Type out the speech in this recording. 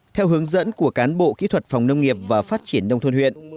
theo hướng dẫn của cán bộ kỹ thuật phòng nông nghiệp và phát triển nông thôn huyện